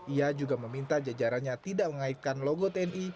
ia juga meminta jajarannya tidak mengaitkan logo tni